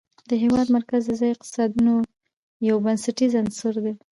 د هېواد مرکز د ځایي اقتصادونو یو بنسټیز عنصر دی.